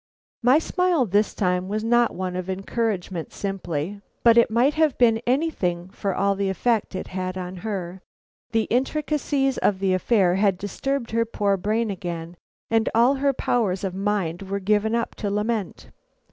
My smile this time was not one of encouragement simply. But it might have been anything for all effect it had on her. The intricacies of the affair had disturbed her poor brain again, and all her powers of mind were given up to lament.